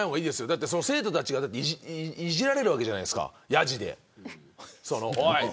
だって、生徒たちがいじられるわけじゃないですかやじで。